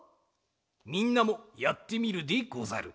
みんなもやってみるでござる。